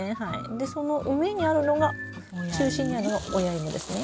でその上にあるのが中心にあるのが親イモですね。